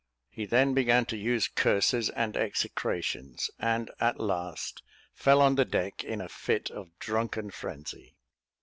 He then began to use curses and execrations; and, at last, fell on the deck in a fit of drunken frenzy.